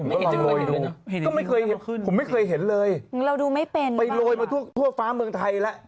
ผมก็ลองโรยดูผมไม่เคยเห็นเลยไปโรยมาทั่วฟ้าเมืองไทยแล้ว